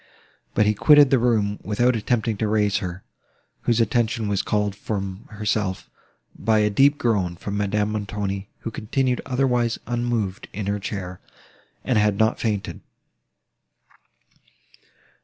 But he quitted the room, without attempting to raise her, whose attention was called from herself, by a deep groan from Madame Montoni, who continued otherwise unmoved in her chair, and had not fainted.